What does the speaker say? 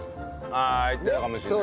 ああいってたかもしれないね。